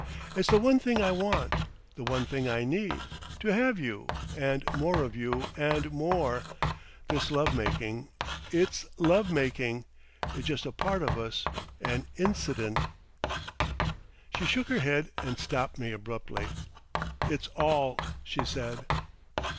It's the one thing I want, the one thing I need—to have you, and more of you and more! This love making—it's love making. It's just a part of us, an incident—" She shook her head and stopped me abruptly. "It's all," she said.